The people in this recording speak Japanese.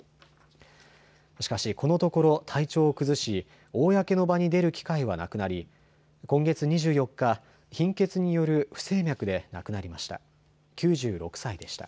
しかしこのところ体調を崩し公の場に出る機会はなくなり、今月２４日、貧血による不整脈で亡くなりました。